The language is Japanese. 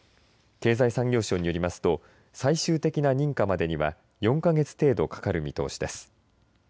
経済産業省によりますと最終的な認可までには４か月程度かかる見通しです。